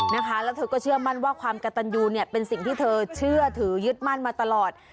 นะคะแล้วเธอก็เชื่อมั่นว่าความกระตันยูเนี่ยเป็นสิ่งที่เธอเชื่อถือยึดมั่นมาตลอด